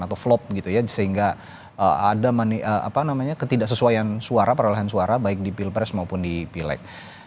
atau vlop gitu ya sehingga ada ketidaksesuaian suara perolehan suara baik di pilpres maupun di pileg